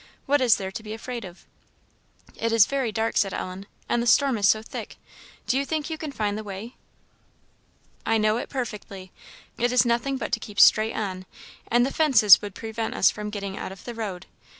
What is there to be afraid of?" "It is very dark," said Ellen; "and the storm is so thick do you think you can find the way?" "I know it perfectly; it is nothing but to keep straight on; and the fences would prevent us from getting out of the road.